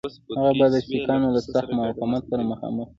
هغه به د سیکهانو له سخت مقاومت سره مخامخ شي.